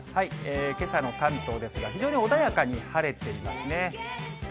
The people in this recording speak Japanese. けさの関東ですが、非常に穏やかに晴れていますね。